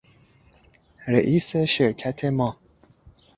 رئیس شرکت ما